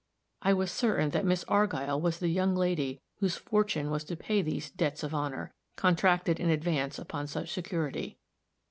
I was certain that Miss Argyll was the young lady whose fortune was to pay these "debts of honor," contracted in advance upon such security.